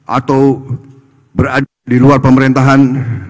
atau berada di luar pemerintahan